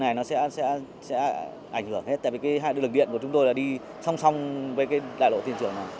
và tương lai thì hai bên này sẽ ảnh hưởng hết tại vì hai đường điện của chúng tôi đi song song với đại lộ thiên trường này